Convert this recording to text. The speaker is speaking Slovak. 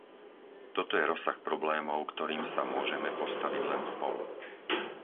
Toto je rozsah problémov, ktorým sa môžeme postaviť len spolu.